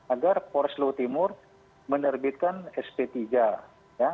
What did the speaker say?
agar polres lutimur menerbitkan sp tiga ya